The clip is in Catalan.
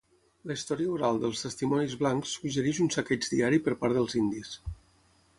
La història oral dels testimonis blancs suggereix un saqueig diari per part dels indis.